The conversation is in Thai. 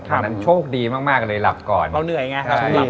อันนั้นโชคดีมากมากเลยหลับก่อนเราเหนื่อยไง